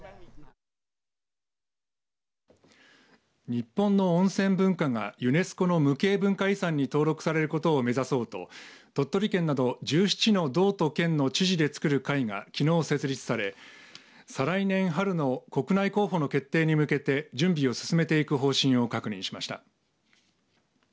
日本の温泉文化がユネスコの無形文化遺産に登録されることを目指そうと鳥取県など１７の道と県の知事でつくる会がきのう設立され、再来年春の国内候補の決定に向けて準備を進めていく方針を確認しました。